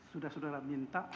sudah saudara minta